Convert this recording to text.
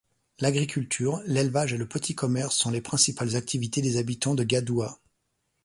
L’agriculture, l’élevage et le petit commerce sont les principales activés des habitants de Gadoua.